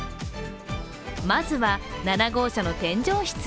まずは７号車の添乗室。